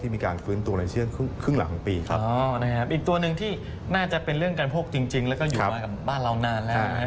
อีกตัวหนึ่งที่น่าจะเป็นเรื่องการโภคจริงแล้วก็อยู่มากับบ้านเรานานแล้ว